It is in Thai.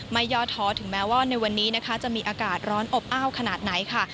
ย่อท้อถึงแม้ว่าในวันนี้นะคะจะมีอากาศร้อนอบอ้าวขนาดไหนค่ะ